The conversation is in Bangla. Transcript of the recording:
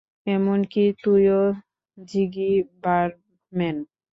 এমনকি তুইও, জিগি বারম্যান!